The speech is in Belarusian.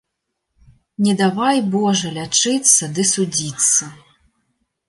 Не давай, Божа, лячыцца ды судзіцца